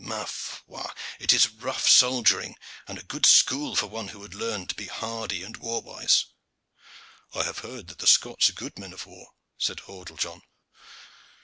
Ma foi! it is rough soldiering, and a good school for one who would learn to be hardy and war wise." "I have heard that the Scots are good men of war," said Hordle John.